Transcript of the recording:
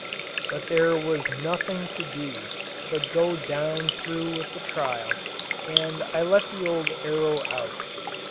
But there was nothing to do but go through with the trial, and I let the old "Arrow" out.